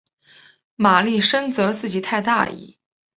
玛丽深责自己太大意。